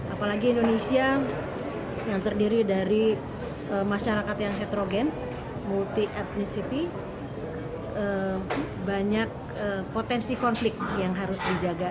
apalagi indonesia yang terdiri dari masyarakat yang heterogen multi etnisity banyak potensi konflik yang harus dijaga